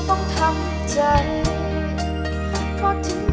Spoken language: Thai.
ช่างจากตอนช่วง